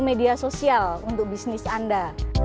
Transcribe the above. media sosial untuk bisnis anda